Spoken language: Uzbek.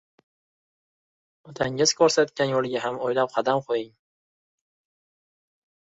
• Otangiz ko‘rsatgan yo‘lga ham o‘ylab qadam qo‘ying.